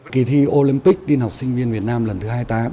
kỳ thi olympic tiên học sinh viên việt nam lần thứ hai mươi tám